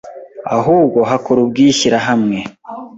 ahubwo hakora ubw’ishyirahamwe